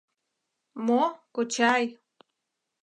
Мо, кочай?